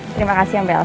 terima kasih mbak elsa